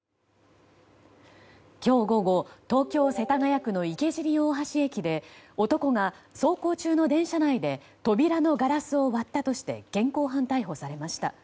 今日午後東京・世田谷区の池尻大橋駅で男が走行中の電車内で扉のガラスを割ったとして現行犯逮捕されました。